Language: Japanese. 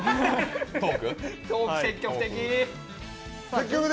トーク、積極的！